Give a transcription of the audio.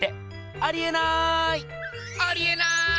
ありえない！